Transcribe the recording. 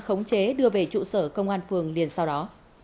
khống chế đưa về trụ sở công an phường liền sau đó